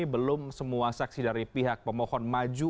belum semua saksi dari pihak pemohon maju